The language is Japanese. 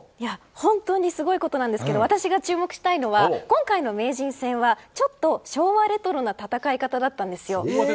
本当にすごいことなんですが私が注目したいのは今回の名人戦はちょっと昭和レトロな戦い方だったんですよ。